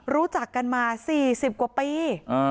รู้จักกันมาสี่สิบกว่าปี